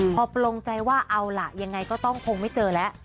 พอปลงใจว่าเอาล่ะยังไงก็ต้องคงไม่เจอแล้ว